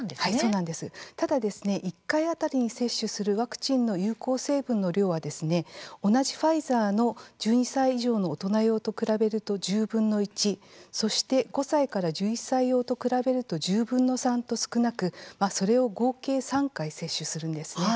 ただ、１回当たりに接種するワクチンの有効成分の量は同じファイザーの１２歳以上の大人用と比べると１０分の１そして５歳から１１歳用と比べると１０分の３と少なくそれを合計３回接種するんですね。